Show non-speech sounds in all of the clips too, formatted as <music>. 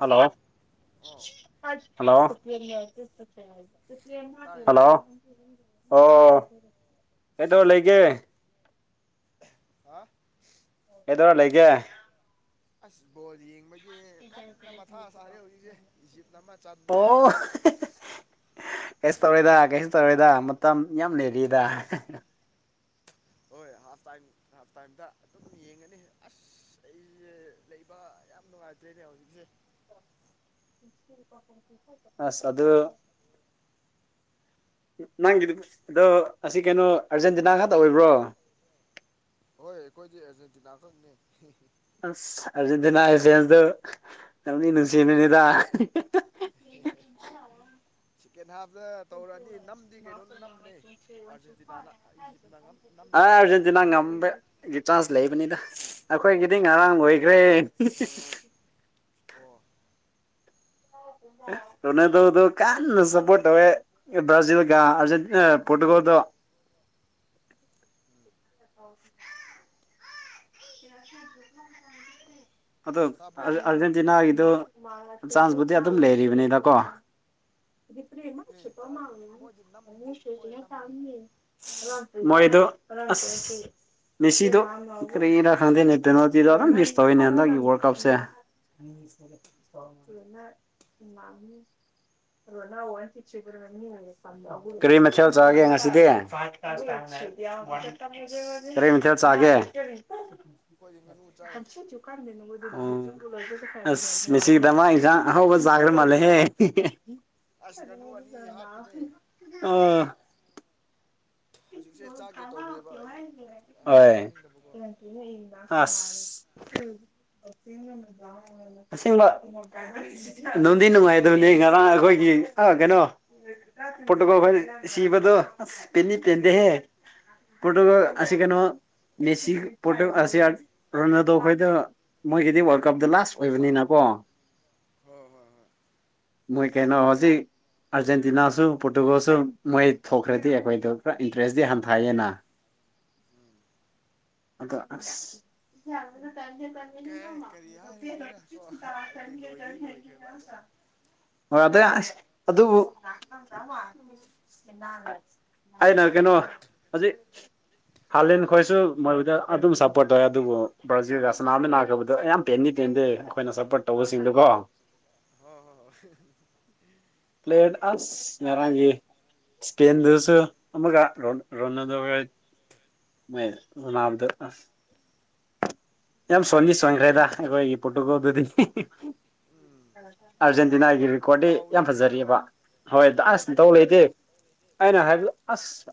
hello hello hello ꯑꯣ ꯀꯩꯗꯧꯂꯩꯒꯦ ꯍꯥ ꯀꯩꯗꯧꯔꯥ ꯂꯩꯒꯦ ꯑꯁ ꯕꯣꯜ ꯌꯦꯡꯕꯒꯤ ꯀꯟꯅ ꯃꯊꯥ ꯁꯥꯥꯏꯌꯦ ꯍꯧꯖꯤꯛꯁꯦ ꯏꯖꯤꯞ ꯑꯃ ꯆꯟꯕꯒꯤ ꯀꯩꯁꯨ ꯇꯧꯔꯣꯏꯗ ꯀꯩꯁꯨ ꯇꯧꯔꯣꯏꯗ ꯃꯇꯝ ꯌꯥꯝ ꯂꯩꯔꯤꯗ ꯍꯣꯏ ꯍꯥꯐ ꯇꯥꯏꯝ ꯍꯥꯐ ꯇꯥꯏꯝꯗ ꯑꯗꯨꯝ ꯌꯦꯡꯉꯅꯤ ꯑꯁ ꯑꯩꯁꯦ ꯂꯩꯕ ꯌꯥꯝ ꯅꯨꯡꯉꯥꯏꯇ꯭ꯔꯦꯅꯦ ꯍꯧꯖꯤꯛꯁꯦ ꯑꯁ ꯑꯗꯨ ꯅꯪꯒꯤꯗꯨ ꯑꯗꯣ ꯑꯁꯤ ꯀꯩꯅꯣ ꯑꯔꯖꯦꯟꯇꯤꯅꯥ ꯈꯠ ꯑꯣꯏꯕ꯭ꯔꯣ ꯍꯣꯏ ꯑꯩꯈꯣꯏꯗꯤ ꯑꯔꯖꯦꯟꯇꯤꯅꯥ ꯈꯛꯅꯦ ꯑꯁ ꯑꯥꯔꯖꯦꯟꯇꯤꯅꯥ ꯑꯦꯖꯦꯟꯁꯗꯣ ꯌꯥꯝꯗꯤ ꯅꯨꯡꯁꯤꯕꯅꯤꯗ ꯍꯦꯍꯦ ꯆꯤꯀꯦꯟ ꯍꯥꯞꯇ ꯇꯧꯔꯛꯑꯅꯤ ꯅꯝꯗꯤ ꯀꯩꯅꯣ ꯅꯝꯕꯅꯦ ꯑꯥꯔꯖꯦꯟꯇꯤꯅꯥꯅ ꯏꯖꯤꯞꯅ ꯉꯝ- ꯅꯝꯗꯦꯕ ꯃꯣꯏꯖꯨ ꯗꯥꯎ ꯂꯩꯌꯦꯕ ꯒꯤ ꯆꯥꯟꯁ ꯂꯩꯕꯅꯤꯗ ꯑꯩꯈꯣꯏꯒꯤꯗꯤ ꯉꯔꯥꯡ ꯑꯣꯏꯒ꯭ꯔꯦ ꯑꯣ ꯔꯣꯅꯥꯜꯗꯣꯗꯣ ꯀꯟꯅ ꯁꯄꯣꯠ ꯇꯧꯑ ꯔꯥꯖꯤꯜꯒ ꯑꯖ ꯄꯣꯇꯨꯒꯣꯜ ꯑꯗꯨ <unintelligible> <unintelligible> ꯑꯗ ꯑꯥꯔꯖꯦꯟꯇꯤꯅꯥꯒꯤꯗꯨ ꯆꯥꯟꯁꯄꯕꯨꯗꯤ ꯑꯗꯨꯝ ꯂꯩꯔꯤꯕꯅꯤꯗꯀꯣ <unintelligible> ꯃꯣꯏꯗꯨ ꯑꯁ ꯅꯤꯁꯤꯗꯣ ꯀꯔꯤꯔ ꯈꯪꯗꯦꯅ‌ꯦ ꯄ‌ꯦꯅꯥꯏꯜꯇꯤꯗ ꯑꯗꯨꯝ‌ ꯃꯤꯁ ꯇꯧꯏꯅ‌ꯦ ꯍꯟꯗꯛꯀꯤ ꯋꯥꯔꯜ ꯀꯞꯁꯦ <unintelligible> ꯀꯔꯤ ꯃꯊꯦꯜ ꯆꯥꯒꯦ ꯉꯁꯤꯗꯤ ꯀꯔꯤ ꯃꯤꯊꯦꯜ ꯆꯥꯒꯦ ꯑꯩꯈꯣꯏꯗꯤ ꯉꯥꯅꯨ ꯆꯥꯏ ꯎ ꯑ ꯃꯦꯁꯤꯒꯤꯗꯃ ꯏꯖꯥ <unintelligible> ꯖꯒꯔ ꯃꯥꯂꯦ ꯑꯁ ꯉꯥꯅꯨ ꯑꯅꯤ ꯍꯥꯞꯄꯅꯦ ꯑꯣ ꯑ‌ꯣꯏ ꯑꯁ ꯑꯁ‌ꯦꯡꯕ ꯅꯨꯡꯗꯤ ꯅꯨꯡꯉꯥꯏꯗꯕꯅꯤ ꯉꯔꯥꯡ ꯑꯩꯈꯣꯏꯒꯤ ꯑ ꯀꯩꯅꯣ ꯄꯇꯀꯣ ꯐ ꯁꯤꯕꯗꯣ ꯄꯤꯅꯤ ꯄꯦꯟꯗꯍꯦ ꯄ꯭ꯔꯣꯇꯣꯀꯣꯜ ꯑꯁꯤ ꯀꯩꯅꯣ ꯃꯦꯁꯤ ꯄ꯭ꯔꯣꯇꯣ ꯑꯁꯤꯗꯣ ꯑꯩꯈꯣꯏꯗ ꯃꯣꯏꯒꯤꯗꯤ ꯋꯥꯔꯜ ꯀꯞꯇ ꯂꯥꯁ ꯑꯣꯏꯕꯅꯤꯅꯀꯣ ꯍꯣꯏ ꯍꯣꯏ ꯍꯣꯏ ꯃꯣꯏ ꯀꯩꯅ ꯍꯧꯖꯤꯛ ꯑꯔꯖꯦꯟꯇꯤꯅꯥ ꯁꯨ ꯄꯣꯔꯇꯨꯒꯜꯁꯨ ꯃꯣꯏ ꯊꯣꯛ ꯈꯔꯗꯤ ꯑꯩꯈꯣꯏꯗꯣ ꯈꯔ ꯏꯟꯇꯔꯦꯁꯇꯗꯤ ꯌꯥꯝꯟꯊꯥꯏꯑꯌꯦꯅ ꯑꯗꯣ ꯑꯁ ꯀꯔꯤ ꯍꯥꯏꯔꯒꯦꯔꯥ ꯀꯣ ꯍꯥꯏꯕꯗꯤ ꯂꯣꯏꯗꯤ ꯂꯣꯏꯈ꯭ꯔꯦꯕ ꯑꯗꯣ <unintelligible> ꯑꯗꯨꯕꯨ ꯑꯩꯅ ꯀꯩꯅꯣ ꯍꯧꯖꯤꯛ ꯍꯥꯥꯂꯦꯟ ꯈꯣꯏꯁꯨ ꯃꯣꯏꯗ ꯑꯗꯨꯝ ꯁꯞꯄꯣꯔꯠ ꯇꯧꯋꯦ ꯑꯗꯨꯕꯨ ꯕ꯭ꯔꯥꯖꯤꯜꯒ ꯁꯅꯥꯃꯤꯅꯈꯤꯕꯗꯣ ꯌꯥꯝ ꯄꯦꯟꯗꯤ ꯄꯦꯟꯗꯦ ꯑꯩꯈꯣꯏꯅ ꯁꯞꯄꯣꯔꯠ ꯇꯧꯕꯁꯤꯡꯗꯨꯀꯣ ꯍꯣꯏ ꯍꯣꯏ ꯍꯣꯏ ꯑꯥꯍ ꯄ꯭ꯂꯦꯌꯔ ꯑꯁ ꯉꯔꯥꯡꯒꯤ ꯏꯁꯄꯦꯟꯗꯨꯁꯨ ꯑꯃꯒ ꯔꯣ ꯔꯣꯅꯥꯟꯗꯣꯒ ꯃꯣꯏ ꯁꯥꯟꯅꯕꯗ ꯑꯥꯁ ꯌꯥꯝ ꯁꯣꯅꯤ ꯁꯣꯏ ꯈꯥꯏꯗ ꯑꯣꯏ ꯄꯨꯣꯇꯨ ꯀꯗꯨꯗꯤ ꯑꯥꯔꯖꯦꯟꯇꯤꯅꯥꯒꯤ ꯔꯦꯀꯣꯔꯗꯗꯤ ꯌꯥꯝ ꯐꯖꯔꯤꯑꯦꯕ ꯍꯣꯏ ꯑꯥꯁ ꯗꯥꯎ ꯂꯩꯇꯦ ꯑꯩꯅ ꯍꯥꯏꯕ ꯑꯥꯁ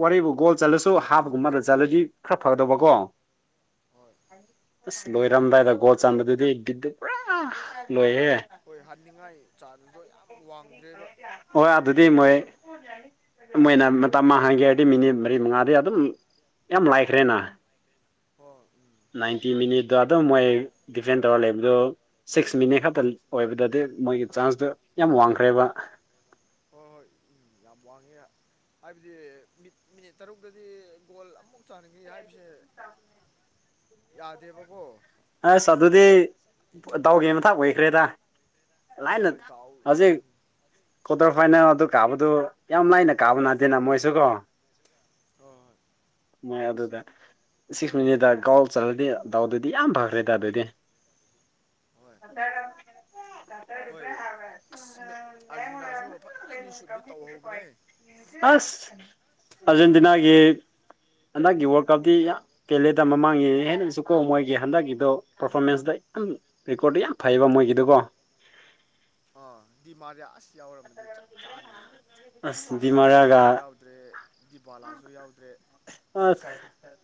ꯋꯥꯔꯤꯕꯨ ꯒꯣꯜ ꯆꯠꯂꯁꯨ ꯍꯥꯞꯒꯨꯝꯕꯗ ꯆꯠꯂꯗꯤ ꯈꯔ ꯐꯒꯗꯧꯕꯀꯣ ꯑꯁ ꯂꯣꯏꯔꯝꯗꯥꯏꯗ ꯒꯣꯜ ꯆꯟꯕꯗꯨꯗꯤ ꯕꯤꯠꯇꯤ ꯄꯨꯔꯥ ꯂꯣꯏꯍꯦ ꯍꯣꯏ ꯍꯅꯤꯡꯉꯥꯏ ꯆꯥꯟꯁꯗꯗꯣ ꯌꯥꯝ ꯋꯥꯡꯗ꯭ꯔꯦꯕ ꯌꯥꯝ ꯅꯦꯝꯈ꯭ꯔꯦꯕ ꯃꯣꯏꯅ ꯃꯇꯝ ꯃꯥꯡꯍꯟꯒꯦ ꯍꯥꯏꯔꯗꯤ ꯃꯤꯅꯤꯠ ꯃꯔꯤ ꯃꯉꯥꯗꯤ ꯑꯗꯨꯝ ꯌꯥꯝ ꯂꯥꯏꯈ꯭ꯔꯦꯅ ꯅꯥꯏꯟꯇꯤ ꯃꯤꯅꯤꯠꯇ ꯑꯗꯨꯝ ꯃꯣꯏ ꯗꯤꯐꯦꯟ ꯇꯧꯔ ꯂꯩꯕꯗꯣ ꯁꯤꯛꯁ ꯃꯤꯅꯤꯠ ꯈꯛꯇ ꯑꯣꯏꯕꯗꯗꯤ ꯃꯣꯏꯒꯤ ꯆꯥꯟꯁꯇꯨ ꯌꯥꯝ ꯋꯥꯡꯈ꯭ꯔꯦꯕ ꯍꯣꯏ ꯍꯣꯏ ꯌꯥꯝ ꯋꯥꯡꯉꯦ ꯍꯥꯏꯕꯗꯤ ꯃꯤꯠ ꯃꯤꯅꯤꯠ ꯇꯔꯨꯛꯇꯗꯤ ꯒꯣꯜ ꯑꯃꯨꯛ ꯆꯟꯅꯤꯡꯉꯤ ꯍꯥꯏꯕꯁꯦ ꯌꯥꯗꯦꯕꯀꯣ ꯑꯥꯁ ꯑꯗꯨꯗꯤ ꯏꯇꯥꯎꯒꯤ ꯃꯊꯛ ꯑꯣꯏꯈ꯭ꯔꯦꯗ ꯂꯥꯏꯅ ꯍꯧꯖꯤꯛ ꯀ꯭ꯋꯥꯇꯔ ꯐꯥꯏꯅꯦꯜ ꯑꯗꯨ ꯀꯥꯕꯗꯨ ꯌꯥꯝ ꯂꯥꯏꯅ ꯀꯥꯕ ꯅꯥꯇꯦꯅ ꯃꯣꯏꯁꯨ ꯀꯣ ꯍꯣꯏ ꯍꯣꯏ ꯃꯣꯏ ꯑꯗꯨꯗ ꯁꯤꯛꯁ ꯃꯤꯅꯤꯠꯗ ꯒꯣꯜ ꯆꯠꯂꯗꯤ ꯗꯥꯎꯗꯨꯗꯤ ꯌꯥꯝ ꯐꯈ꯭ꯔꯦ ꯇꯗ ꯑꯗꯣꯏꯗꯤ ꯍꯣꯏ ꯑꯁ ꯑꯥꯔꯖꯦꯟꯇꯤꯅꯥꯁꯨ ꯐꯖꯅꯗꯤ ꯁꯨꯠꯗꯤ ꯇꯧꯍꯧꯕꯅꯦ ꯑꯥꯁ ꯑꯔꯖꯦꯟꯇꯤꯅꯥꯒꯤ ꯍꯟꯗꯛꯀꯤ ꯋꯥꯔꯜ ꯀꯞꯇꯤ ꯄꯦꯂꯦꯗ ꯃꯃꯥꯡꯉꯒꯤ ꯍꯦꯟꯅꯁꯨ ꯀꯣ ꯃꯣꯏꯒꯤ ꯍꯟꯗꯛꯀꯤ ꯑꯗꯣ ꯄꯔꯐꯣꯔꯃꯦꯟꯁꯇ ꯌꯥꯝ ꯔꯦꯀꯣꯔꯠꯇꯣ ꯌꯥꯝ ꯐꯩꯌꯦꯕ ꯃꯣꯏꯒꯤꯗꯨꯀꯣ ꯑ ꯗꯤꯃꯥꯔꯤꯌꯥ ꯑꯁ ꯌꯥꯎꯔꯝꯃꯗꯤ ꯆꯞ ꯆꯥꯅꯤ ꯃꯥꯁꯨ ꯌꯥꯎꯗꯦ ꯗ꯭ꯔꯦ ꯗꯤꯕꯥꯂꯥꯁꯨ ꯌꯥꯎꯗ꯭ꯔꯦ ꯑꯥꯁ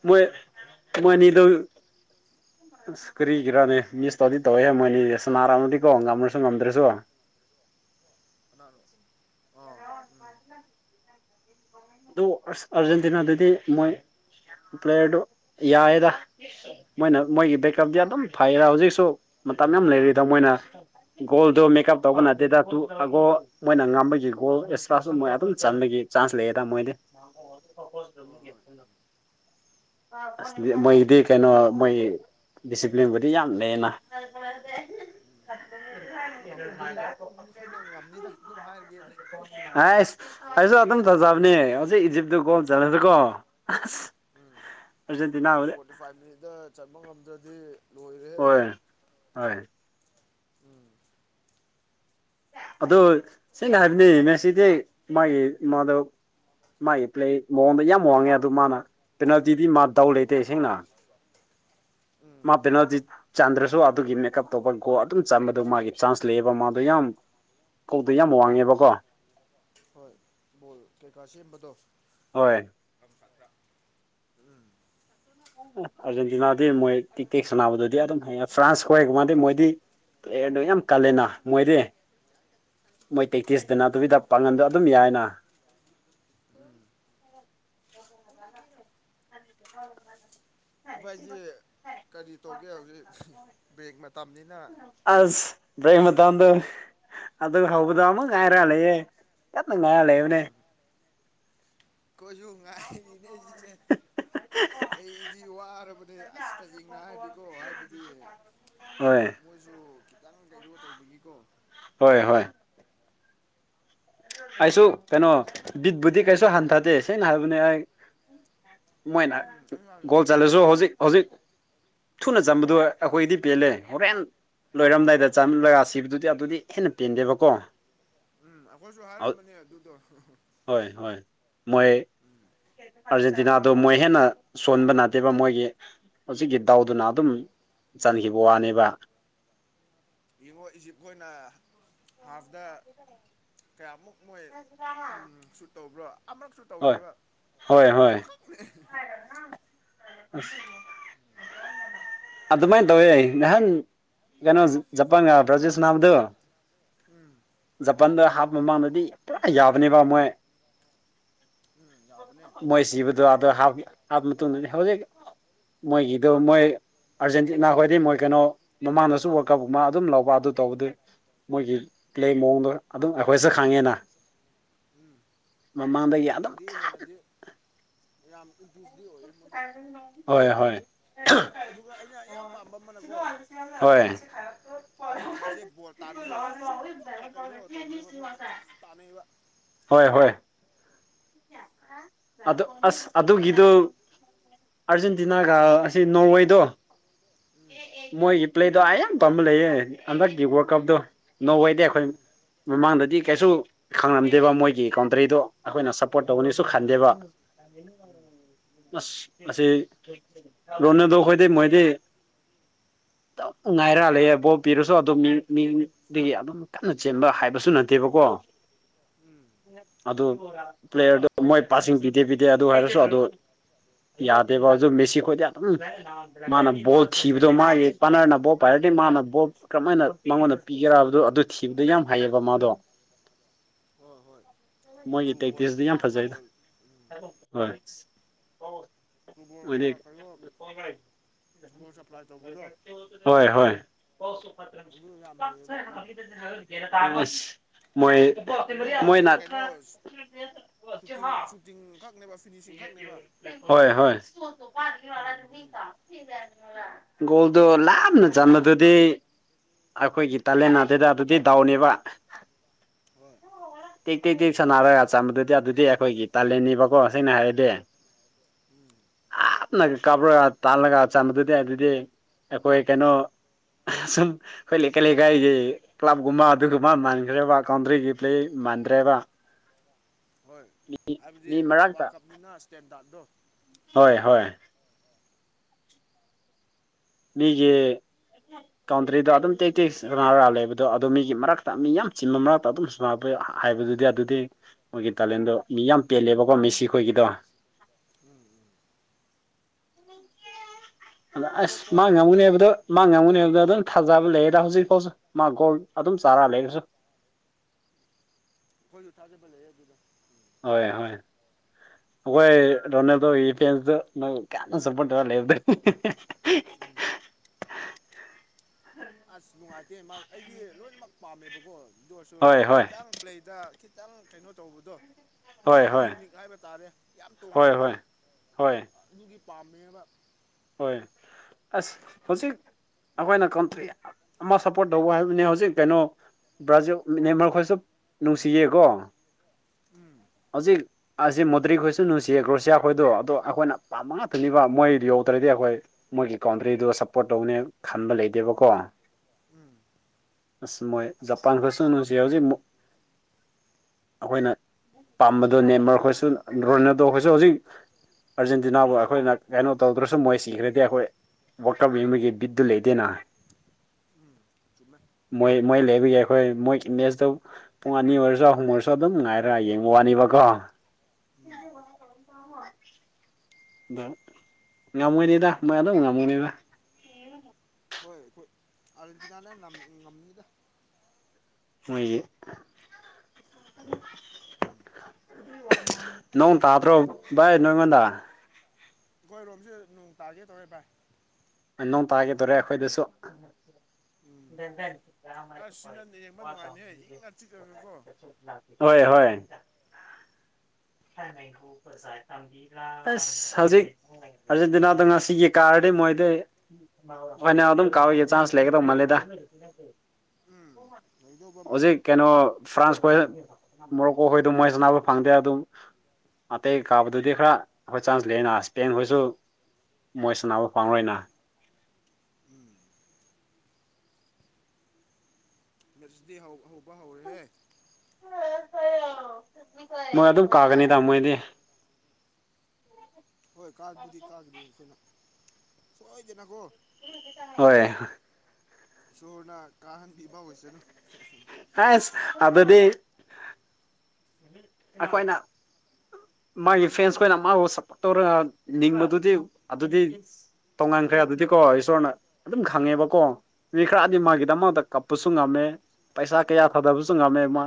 ꯃꯣꯏ ꯃꯣꯏ ꯑꯅꯤꯗꯨ ꯑꯁ ꯀꯔꯤꯒꯤꯔꯅꯦ ꯃꯤꯁ ꯇꯧꯗꯤ ꯇꯧꯋꯦꯍꯦ ꯃꯣꯏꯅꯤ ꯁꯅꯥꯔꯝꯃꯥꯗꯤꯀꯣ ꯉꯝꯃꯁꯨ ꯉꯝꯗ꯭ꯔꯁꯨ ꯁꯥꯅꯕ ꯑꯥ ꯎꯨꯝ ꯑꯗꯨ ꯑꯁ ꯑꯥꯔꯖꯦꯟꯇꯤꯅꯥꯗꯗꯤ ꯃꯣꯏ ꯄ꯭ꯂꯦꯌꯔꯗꯣ ꯌꯥꯏꯌꯦꯗ ꯃꯣꯏꯅ ꯃꯣꯏꯒꯤ ꯕꯦꯛꯀꯞꯇ ꯑꯗꯨꯝ ꯐꯩꯔ ꯍꯧꯖꯤꯛꯁꯨ ꯃꯇꯝ ꯌꯥꯝ ꯂꯩꯔꯤꯗ ꯃꯣꯏꯅ ꯒꯣꯜꯗꯣ ꯃꯦꯀꯞ ꯇꯧꯕ ꯅꯠꯇꯦꯗ ꯇꯨ ꯒꯣꯜ ꯃꯣꯏꯅ ꯉꯝꯕꯒꯤ ꯒꯣꯜ ꯑꯦꯛꯁꯄ꯭ꯔꯥꯁꯨ ꯃꯣꯏ ꯑꯗꯨꯝ ꯆꯟꯕꯒꯤ ꯆꯥꯟꯁ ꯂꯩꯌꯦ ꯗ ꯃꯣꯏꯗꯤ ꯑꯁ ꯃꯣꯏꯒꯤꯗꯤ ꯀꯩꯅꯣ ꯃꯣꯏ ꯗꯤꯁꯤꯄ꯭ꯂꯤꯟꯕꯨꯗꯤ ꯌꯥꯝ ꯂꯩꯌꯦꯅ ꯎꯨꯝ ꯐꯠꯇꯕꯤ ꯑꯥꯁ ꯑꯩꯁꯨ ꯑꯗꯨꯝ ꯇꯧꯖꯕꯅꯦ ꯍꯧꯖꯤꯛ ꯏꯖꯤꯞꯇ ꯒꯣꯜ ꯆꯜꯂꯁꯨ ꯀꯣ ꯎꯨꯝ ꯐꯣꯔꯇꯤ ꯐꯥꯏꯚ ꯃꯤꯅꯤꯠꯇ ꯆꯟꯕ ꯉꯝꯗ꯭ꯔꯗꯤ ꯍꯣꯏ ꯍꯣꯏ ꯑꯗꯣ ꯁꯤꯅ ꯍꯥꯏꯕꯅꯤ ꯃꯦꯁꯤꯗꯤ ꯃꯥꯒꯤ ꯃꯥꯗꯣ ꯃꯥꯏ ꯄꯂꯦ ꯃꯑꯣꯡꯗꯣ ꯌꯥꯝ ꯋꯥꯡꯉꯦ ꯑꯗꯨ ꯃꯥꯅ ꯄꯦꯅꯥꯜꯇꯤꯗꯤ ꯃꯥ ꯗꯥꯎ ꯂꯩꯇꯦ ꯁꯦꯡꯅ ꯃꯥ ꯄꯦꯅꯥꯜꯇꯤ ꯆꯥꯟꯗ꯭ꯔꯁꯨ ꯑꯗꯨꯒꯤ ꯃꯦꯀꯞ ꯇꯧꯕ ꯒꯣꯜ ꯑꯗꯨꯝ ꯆꯟꯕꯗꯨ ꯃꯥꯒꯤ ꯆꯥꯟꯁ ꯂꯩꯌꯦꯕ ꯃꯥꯗꯣ ꯌꯥꯝ ꯀꯧꯗꯣ ꯌꯥꯝ ꯋꯥꯡꯉꯦꯕꯀꯣ ꯀꯩꯀꯥ ꯁꯦꯝꯕꯗꯣ ꯍꯣꯏ ꯈꯞ ꯐꯠꯇ꯭ꯔ ꯑꯥꯔꯖꯦꯟꯇꯤꯅꯥꯗꯤ ꯃꯣꯏ ꯇꯤ ꯇꯦꯛ ꯁꯥꯟꯅꯕꯗꯨꯗꯤ ꯑꯗꯨꯝ ꯍꯌꯦ ꯐ꯭ꯔꯥꯟꯁ ꯀꯣꯏꯒ ꯃꯥꯥꯟꯗꯤ ꯃꯣꯏꯗꯤ ꯑꯦꯔꯗꯣ ꯌꯥꯝ ꯀꯜꯂꯦꯅ ꯃꯣꯏꯗꯤ ꯃꯣꯏ ꯇꯦꯛꯇꯤꯁꯇꯅ ꯑꯗꯨꯕꯤꯗ ꯄꯥꯡꯉꯟꯗꯣ ꯑꯗꯨꯝ ꯌꯥꯏꯅ <inaudible> <inaudible> ꯚꯥꯏꯗꯤ ꯀꯔꯤ ꯇꯧꯒꯦ ꯍꯧꯖꯤꯛ ꯕꯦꯡ ꯃꯇꯝꯅꯤꯅ ꯑꯁ ꯕ꯭ꯔꯦꯛ ꯃꯇꯝꯗ ꯑꯗꯨ ꯍꯧꯕꯗꯣ ꯑꯃꯨꯛ ꯉꯥꯏꯔ ꯂꯩꯌꯦ ꯀꯟꯅ ꯉꯥꯏꯔ ꯂꯩꯕꯅꯦ ꯀꯣꯏꯁꯨꯨ ꯉꯥꯏꯔꯤꯅꯦ ꯁꯤꯁꯦ ꯑꯩꯗꯤ ꯋꯥꯔꯕꯅꯦ ꯑꯁꯤꯁ ꯇꯁꯦꯡꯅ ꯍꯥꯏꯔꯗꯤꯀꯣ ꯍꯥꯏꯕꯗꯤ ꯃꯣꯏꯁꯨ ꯈꯤꯇꯪ ꯂꯩꯔꯣ ꯇꯧꯕꯒꯤꯀꯣ ꯍꯣꯏ ꯍꯣꯏ ꯑꯩꯁꯨ ꯀꯩꯅꯣ ꯕꯤꯠ ꯕꯨꯗꯤ ꯀꯩꯁꯨ ꯍꯟꯊꯗꯦ ꯁꯦꯡꯅ ꯍꯥꯏꯕꯅꯦ ꯑꯩ ꯃꯣꯏꯅ ꯒꯣꯜ ꯆꯂꯥꯁꯨ ꯍꯧꯖꯤꯛ ꯍꯧꯖꯤꯛ ꯊꯨꯅ ꯆꯝꯕꯗꯣ ꯑꯩꯈꯣꯏꯗꯤ ꯄꯦꯜꯂꯦ ꯍꯣꯔꯦꯟ ꯂꯣꯏꯔꯝꯗꯥꯏꯗ ꯆꯥꯂꯒ ꯁꯤꯕꯗꯨꯗꯤ ꯑꯗꯨꯗꯤ ꯍꯦꯟꯅ ꯄꯦꯟꯗꯦꯕꯀꯣ ꯎꯝ ꯑꯩꯈꯣꯏꯁꯨ ꯍꯥꯏꯔꯝꯕꯅꯦ ꯑꯗꯨꯗꯣ ꯍꯣꯏ ꯍꯣꯏ ꯃꯣꯏ ꯑꯥꯔꯖꯦꯟꯇꯤꯅꯥꯗꯣ ꯃꯣꯏ ꯍꯦꯟꯅ ꯁꯣꯟꯕ ꯅꯥꯗꯦꯕ ꯃꯣꯏꯒꯤ ꯍꯧꯖꯤꯛꯀꯤ ꯗꯥꯎꯗꯨꯅ ꯑꯗꯨꯝ ꯆꯟꯈꯤꯕ ꯋꯥꯅꯦꯕ ꯌꯦꯡꯉꯣ ꯏꯖꯤꯞ ꯑꯩꯈꯣꯏꯅ ꯍꯥꯐꯇ ꯀꯌꯥꯃꯨꯛ ꯃꯣꯏ ꯁꯨ ꯇꯧꯕ꯭ꯔꯣ ꯑꯃꯨꯔꯛꯁꯨ ꯇꯧꯗꯦꯕ ꯑꯃ ꯈꯛ <inaudible> ꯑ ꯑꯗꯨꯃꯥꯏꯅ ꯇꯋꯏ ꯅꯍꯥꯟ ꯀꯩꯅꯣ ꯖꯄꯒ ꯕ꯭ꯔꯥꯖꯤꯜ ꯁꯅꯥꯕꯗꯨ ꯎꯝ ꯖꯄꯟꯗ ꯍꯥꯞꯄ ꯃꯃꯥꯡꯗꯗꯤ ꯄꯨꯔꯥ ꯌꯥꯕꯅꯦꯕ ꯃꯣꯏ ꯃꯣꯏ ꯁꯤꯕꯗꯨ ꯑꯗ ꯍꯥ ꯍꯥꯕ ꯃꯇꯨꯡꯗꯗꯤ ꯍꯧꯖꯤꯛ ꯃꯣꯏꯒꯤꯗꯣ ꯃꯣꯏ ꯑꯥꯔꯖꯦꯟꯇꯤꯅꯥ ꯈꯣꯏꯗꯤ ꯃꯣꯏ ꯀꯩꯅꯣ ꯃꯃꯥꯡꯗꯁꯨ ꯋꯥꯔꯜ ꯀꯞꯀꯨꯝꯕ ꯑꯗꯨꯝ ꯂꯧꯕ ꯑꯗꯨ ꯇꯧꯕꯗꯤ ꯃꯣꯏꯒꯤ ꯄ꯭ꯂꯦ ꯃꯑꯣꯡꯗꯣ ꯑꯗꯨꯝ ꯑꯩꯈꯣꯏꯁꯨ ꯈꯪꯉꯦꯅ ꯍꯥꯟꯅꯗꯤ ꯍꯦꯟꯅꯗꯤ ꯍꯣꯏ ꯍ ꯍꯣꯏ ꯑꯥꯔꯖꯦꯟꯇꯤꯅꯥꯁꯦ ꯕꯣꯜ ꯇꯥꯟꯕꯁꯦ ꯁꯨꯛꯄ ꯀꯩꯅꯣ ꯇꯧꯗꯦꯕ ꯃꯣꯏꯗꯤ ꯑꯗꯨꯝ ꯇꯥꯟꯅꯩꯕ ꯍꯣꯏ ꯍꯣꯏ ꯑ ꯑꯁ ꯑꯗꯨꯒꯤꯗꯨ ꯑꯥꯔꯖꯦꯟꯇꯤꯅꯥꯒ ꯑꯁꯤ ꯅꯣꯔꯋꯦꯗꯣ ꯃꯣꯏꯒꯤ ꯄ꯭ꯂꯦꯗꯣ ꯑꯌꯥꯝ ꯄꯥꯝꯕ ꯂꯩꯌꯦ ꯍꯟꯗꯛꯀꯤ ꯋꯥꯔꯜ ꯀꯞꯇꯣ ꯅꯣꯡꯋꯥꯏꯗ ꯑꯩꯈꯣꯏ ꯃꯃꯥꯡꯗꯗꯤ ꯀꯩꯁꯨ ꯈꯪꯂꯝꯗꯦꯕ ꯃꯣꯏꯒꯤ ꯀꯥꯎꯟꯇꯔꯤꯗꯣ ꯑꯩꯈꯣꯏꯅ ꯁꯞꯄꯣꯔꯠ ꯇꯧꯒꯅꯤꯁꯨ ꯈꯟꯗꯦꯕ ꯑꯁ ꯑꯁꯤ ꯔꯣꯅꯦꯗꯣ ꯑꯩꯈꯣꯏꯗꯤ ꯃꯣꯏꯗꯤ ꯉꯥꯏꯔꯂ ꯕꯣꯞ ꯄꯤꯔꯁꯨ ꯑꯗꯨꯝ ꯃꯤꯒꯤ ꯑꯗꯨꯝ ꯀꯟꯅ ꯆꯦꯟꯕ ꯍꯥꯏꯕꯁꯨ ꯅꯠꯇꯦꯕꯀꯣ ꯑꯗꯨ ꯄ꯭ꯂꯦꯌꯔꯗꯨ ꯃꯣꯏ ꯄꯥꯠꯁꯤꯡ ꯄꯤꯗꯦ ꯄꯤꯗꯦ ꯑꯗꯨ ꯍꯥꯏꯔꯁꯨ ꯑꯗꯨ ꯌꯥꯗꯦꯕꯣ ꯑꯗꯨ ꯃꯦꯁꯤ ꯈꯣꯏꯗꯤ ꯑꯗꯨꯝ ꯃꯥꯅ ꯕꯣꯠ ꯊꯤꯕꯗꯣ ꯃꯥꯒꯤ ꯄꯥꯅꯔꯅ ꯕꯣꯠ ꯄꯥꯏꯔꯗꯤ ꯃꯥꯅ ꯕꯣꯠ ꯀꯔꯃꯍꯥꯏꯅ ꯃꯉꯣꯟꯗ ꯄꯤꯒꯦꯔꯕꯗꯣ ꯑꯗꯨ ꯊꯤꯕꯗ ꯌꯥꯝ ꯍꯩꯌꯦꯕ ꯃꯥꯗꯣ ꯃꯣꯏꯒꯤ ꯄ꯭ꯔꯦꯛꯇꯤꯁꯇ ꯌꯥꯝ ꯐꯖꯩꯗ ꯍꯣꯏ <unintelligible> ꯊꯨꯕꯣꯜꯒ ꯀꯩꯅꯣ ꯊꯨꯕꯣꯜ ꯁꯄ꯭ꯂꯥꯏ ꯇꯧꯕꯗꯣ ꯍꯣꯏ ꯍꯣꯏ ꯑꯁ ꯃꯣꯏ ꯃꯅꯥ ꯍꯣꯏ ꯍꯣꯏ ꯒꯣꯜꯗꯣ ꯂꯥꯞꯅ ꯆꯃꯗꯨꯗꯤ ꯑꯩꯈꯣꯏꯒꯤ ꯇꯂꯦꯟꯅꯥꯗꯗ ꯑꯗꯨꯗꯤ ꯗꯥꯎꯅꯦꯕ ꯇꯦꯛ ꯇꯦꯛ ꯇꯦꯛ ꯁꯅꯔꯒ ꯆꯝꯕꯗꯨꯗꯤ ꯑꯗꯨꯗꯤ ꯑꯩꯈꯣꯏꯒꯤ ꯇꯥꯂꯦꯟꯅꯤꯕꯀꯣ ꯁꯦꯡꯅ ꯍꯥꯏꯔꯗꯤ ꯍꯥꯥꯞꯅ ꯀꯥꯞꯔꯒ ꯇꯥꯜꯂꯒ ꯆꯝꯕꯗꯨꯗꯤ ꯑꯗꯨꯗꯤ ꯑꯩꯈꯣꯏ ꯀꯩꯅꯣ ꯑ ꯁꯨꯝ ꯑꯩꯈꯣꯏ ꯂꯩꯀꯥꯏ ꯂꯩꯀꯥꯏꯒꯤ ꯀ꯭ꯂꯕꯀꯨꯝꯕ ꯑꯗꯨꯒꯨꯝꯕ ꯃꯥꯟꯈ꯭ꯔꯦꯕ ꯀꯥꯎꯟꯇ꯭ꯔꯤꯒꯤ ꯄ꯭ꯂꯦ ꯃꯥꯟꯗ꯭ꯔꯦꯕ ꯍꯥꯏꯕꯗꯤ ꯋꯥꯀꯞꯅꯤꯅ ꯏꯁꯇꯦꯟꯗꯥꯔꯗꯣ ꯍꯣꯏ ꯍꯣꯏ ꯃꯤꯒꯤ ꯀꯥꯎꯟꯇ꯭ꯔꯤꯗꯣ ꯑꯗꯨꯝ ꯇꯦꯛ ꯇꯦꯛꯔꯥ ꯂꯩꯕꯗꯣ ꯑꯗꯨꯣ ꯃꯤꯒꯤ ꯃꯔꯛꯇ ꯃꯤ ꯌꯥꯝ ꯆꯤꯟꯕ ꯃꯔꯛꯇ ꯑꯗꯨꯝ ꯁꯃ ꯍꯥꯏꯕꯗꯨꯗꯤ ꯑꯗꯨꯗꯤ ꯃꯣꯏꯒꯤ ꯇꯦꯂꯦꯟꯗꯣ ꯃꯤ ꯌꯥꯝ ꯄꯦꯜꯂꯦꯕꯀꯣ ꯃꯤꯁꯤ ꯈꯣꯏꯒꯤꯗꯣ ꯎꯝ ꯎꯝ ꯑꯗ ꯑꯁ ꯃꯥ ꯉꯝꯒꯨꯅꯦꯕꯗꯣ ꯃꯥ ꯉꯝꯉꯨꯅꯦꯕꯗ ꯑꯗꯨꯝ ꯊꯥꯖꯕ ꯂꯩꯔꯦꯗ ꯍꯧꯖꯤꯛꯐꯥꯎꯁꯨ ꯃꯥ ꯒꯣꯜ ꯑꯗꯨꯝ ꯆꯥꯔꯥ ꯂꯩꯔꯁꯨ ꯑꯩꯣꯏꯁꯨ ꯊꯥꯖꯕ ꯂꯩ ꯑꯗꯨꯗ ꯍꯣꯏ ꯍꯣꯏ ꯑꯩꯈꯣꯏ ꯔꯣꯅꯦꯜꯗꯣ ꯐꯁꯇ ꯅꯪ ꯀꯌꯥ ꯁꯞꯄꯣꯔꯠ ꯇꯧꯔ ꯂꯩꯕꯗꯦ <inaudible> ꯑꯁ ꯅꯨꯡꯉꯥꯏꯇꯦ ꯃꯥ ꯑꯩꯗꯤ ꯂꯣꯏꯅꯃꯛ ꯄꯥꯝꯃꯦꯕꯀꯣ ꯗꯣꯁꯨ ꯈꯤꯇꯪ ꯄ꯭ꯂꯦꯗ ꯈꯤꯇꯪ ꯀꯩꯅꯣ ꯇꯧꯕꯗꯣ ꯌꯨꯅꯤꯛ ꯍꯥꯏꯕ ꯇꯥꯔꯦ ꯌꯥꯝ ꯇꯣꯉꯥꯟꯕ ꯑꯗꯨꯒꯤ ꯄꯥꯝꯃꯦꯕ ꯍꯣꯏ ꯑꯁ ꯍꯧꯖꯤꯛ ꯑꯩꯈꯣꯏꯅ ꯀꯟꯇ꯭ꯔꯤ ꯑꯃ ꯁꯞꯄꯣꯔꯠ ꯇꯧꯕ ꯍꯥꯏꯕꯅꯦ ꯍꯧꯖꯤꯛ ꯀꯩꯅꯣ ꯕ꯭ꯔꯥꯖꯤꯜ ꯃꯦꯟꯃꯥꯔ ꯈꯣꯏꯁꯨ ꯅꯨꯡꯁꯤꯌꯦꯀꯣ ꯍꯧꯖꯤꯛ ꯑꯁꯤ ꯃꯨꯗ꯭ꯔꯤꯛ ꯈꯣꯏꯁꯨ ꯅꯨꯡꯁꯤꯌꯦ ꯒ꯭ꯔꯣꯁꯤꯌꯥ ꯈꯣꯏꯣ ꯑꯗꯣ ꯑꯩꯈꯣꯏꯅ ꯄꯥꯝ ꯃꯉꯥ ꯊꯨꯅꯤꯕ ꯃꯣꯏ ꯇꯇ꯭ꯔꯗꯤ ꯑꯩꯈꯣꯏ ꯃꯣꯏꯒꯤ ꯀꯥꯎꯟꯇ꯭ꯔꯤꯗꯣ ꯁꯞꯄꯣꯔꯠ ꯇꯧꯅꯦ ꯈꯟꯕ ꯂꯩꯇꯦꯕꯀꯣ ꯑꯁ ꯃꯣꯏ ꯖꯄꯥꯟ ꯐꯁꯨ ꯅꯨꯡꯁꯤ ꯍꯧꯖꯤꯛ ꯑꯩꯈꯣꯏꯅ ꯄꯥꯝꯕꯗꯣ ꯅꯦꯝꯃꯔ ꯈꯣꯏꯁꯨ ꯔꯅꯗꯣ ꯑꯩꯣꯏꯁꯨ ꯍꯧꯖꯤꯛ ꯑꯔꯖꯦꯟꯇꯤꯅꯥꯕꯨ ꯑꯩꯈꯣꯏꯅ ꯀꯩꯅꯣ ꯇꯧꯗ꯭ꯔꯁꯨ ꯑꯁꯨꯝ ꯃꯣꯏ ꯁꯤꯈ꯭ꯔꯗꯤ ꯑꯩꯈꯣꯏ ꯋꯀꯞ ꯃꯤ ꯑꯃꯒꯤꯒꯤ ꯕꯤꯠꯇꯨ ꯂꯩꯗꯦꯅ ꯎꯝ ꯆꯨꯝꯃ ꯃꯣꯏ ꯃꯣꯏ ꯂꯩꯕꯒꯤ ꯑꯩꯈꯣꯏ ꯃꯣꯏ ꯏꯃꯦꯖꯇꯨ ꯄꯨꯡ ꯑꯅꯤ ꯑꯣꯏꯔꯁꯨ ꯑꯍꯨꯝ ꯑꯣꯏꯔꯁꯨ ꯑꯗꯨꯝ ꯉꯥꯏꯔ ꯌꯦꯡꯕ ꯋꯥꯅꯤꯕꯀꯣ <inaudible> ꯍꯣꯏ ꯑꯗ ꯉꯝꯃꯣꯏꯅꯦꯗ ꯃꯥꯏ ꯑꯗꯨꯝ ꯉꯝꯃꯣꯏꯅꯤꯗ ꯍꯣꯏ ꯑꯩꯈꯣꯏ ꯑꯥꯔꯖꯦꯟꯇꯤꯅꯥꯅ ꯉꯝꯃꯤꯉꯤꯗ ꯑꯩꯉꯣꯏꯒꯤ ꯅꯣꯡ ꯇꯥꯗ꯭ꯔꯣ ꯚꯥꯏ ꯅꯣꯏꯉꯣꯟꯗ ꯑꯩꯈꯣꯏꯔꯣꯝꯁꯦ ꯅꯣꯡ ꯇꯥꯒꯦ ꯇꯧꯔꯦ ꯚꯥꯏ ꯅꯣꯡ ꯇꯥꯒꯗꯣꯔꯦ ꯑꯩꯈꯣꯏꯗꯁꯨ ꯑꯁ ꯁꯤꯅꯅꯦ ꯌꯦꯡꯕ ꯅꯨꯡꯉꯥꯏꯅꯤꯍꯦ ꯏꯪꯅ ꯆꯤꯛꯈ꯭ꯔꯒꯦꯀꯣ ꯍꯣꯏ ꯍꯣꯏ ꯑꯁ ꯍꯧꯖꯤꯛ ꯑꯥꯔꯖꯦꯟꯇꯤꯅꯥꯗ ꯉꯁꯤꯒꯤ ꯀꯥꯔꯗꯤꯩ ꯃꯣꯏꯗꯩ ꯍꯣꯏ ꯅ ꯑꯗꯨꯝ ꯀꯥꯎꯏꯒ ꯆꯥꯟꯁ ꯂꯩꯒꯗꯧ ꯃꯥꯜꯂꯦꯗ ꯍꯧꯖꯤꯛ ꯀꯩꯅꯣ ꯐ꯭ꯔꯥꯟꯁ ꯈ ꯃꯣꯔꯣꯛꯀꯣ ꯍ ꯑꯗꯨ ꯃꯣꯏꯁꯅꯥꯕꯨ ꯐꯪꯗꯦ ꯑꯗꯨꯝ ꯑꯇꯩ ꯀꯥꯕꯗꯨꯗꯤ ꯈꯔ ꯑꯩꯈꯣꯏ ꯆꯥꯟꯁ ꯂꯩꯅ ꯏꯁꯄꯦꯟꯈꯣꯏꯁꯨ ꯃꯣꯏ ꯁꯥꯟꯅꯥꯕꯨ ꯐꯥꯔꯣꯏꯅ ꯅꯔꯁꯗꯦ ꯍꯧꯕ ꯍꯧꯔꯦꯍꯦ ꯃꯣꯏ ꯑꯗꯨꯝ ꯀꯥꯀꯅꯤ ꯇꯥ ꯃꯣꯏꯗꯤ ꯍꯣꯏ ꯀꯥꯕꯨꯗꯤ ꯀꯥꯒꯅꯤ ꯑꯩꯈꯣꯏꯅ ꯁꯣꯏꯗꯦꯅꯀꯣ ꯍꯣꯏ ꯁꯣꯔꯅ ꯀꯥ ꯍꯥꯟ ꯄꯤꯕꯦꯅꯣ ꯑꯦ ꯑꯗꯗꯤ ꯑꯩꯈꯣꯏꯅ ꯃꯥꯒꯤ ꯐ꯭ꯔꯦꯟꯁ ꯈꯣꯏꯅ ꯃꯥꯕꯨ ꯁꯞꯄꯣꯔꯠ ꯇꯧꯔꯒ ꯅꯤꯡꯕꯗꯨꯗꯤ ꯑꯗꯨꯗꯤ ꯇꯣꯉꯥꯟꯈ꯭ꯔꯦ ꯑꯗꯨꯗꯤꯀꯣ ꯏꯁꯣꯔꯅ ꯑꯗꯨꯝ ꯈꯪꯉꯦꯕꯀꯣ ꯈ꯭ꯔꯥꯗꯤ ꯃꯥꯒꯤꯗꯃꯛꯇ ꯀꯞꯄꯁꯨ ꯉꯝꯃꯦ ꯄꯩꯁꯥ ꯀꯌꯥ ꯊꯥꯗꯕꯁꯨ ꯉꯝꯃꯦ ꯃꯥ